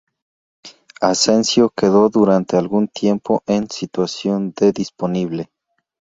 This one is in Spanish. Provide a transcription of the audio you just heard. Asensio quedó durante algún tiempo en situación de disponible.